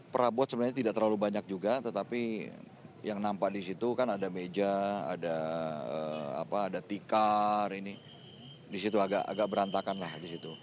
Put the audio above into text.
perabot sebenarnya tidak terlalu banyak juga tetapi yang nampak di situ kan ada meja ada tikar ini disitu agak berantakan lah di situ